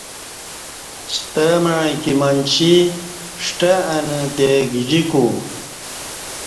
ستمع ایکی منچی ی ݜٹہ انہ تےگجیکو